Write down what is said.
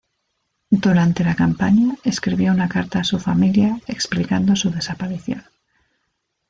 Durante la campaña, escribió una carta a su familia explicando su desaparición.